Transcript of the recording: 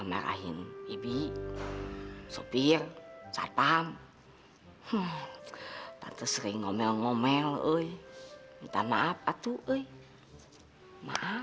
merahin ibi sopir satpam sering ngomel ngomel oi minta maaf atuh oi maaf